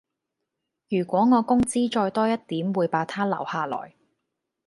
如果我工資再多一點會把她留下來